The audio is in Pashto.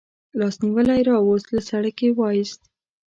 لاس نیولی راوست، له سړک یې و ایست.